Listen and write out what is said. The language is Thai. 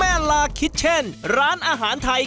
ลาคิชเช่นร้านอาหารไทย